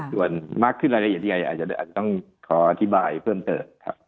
ส่วนมากขึ้นอะไรอย่างเงี้ยอาจจะต้องขออธิบายเพิ่มเติบ